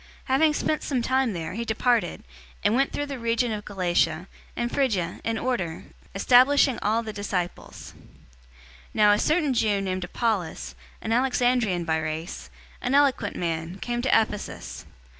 018:023 Having spent some time there, he departed, and went through the region of Galatia, and Phrygia, in order, establishing all the disciples. 018:024 Now a certain Jew named Apollos, an Alexandrian by race, an eloquent man, came to Ephesus.